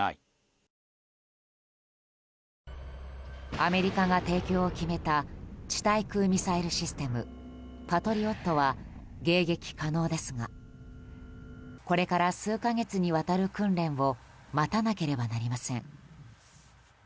アメリカが提供を決めた地対空ミサイルシステムパトリオットは迎撃可能ですがこれから数か月にわたる訓練を待たなければなりません。